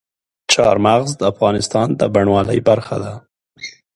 چار مغز د افغانستان د بڼوالۍ برخه ده.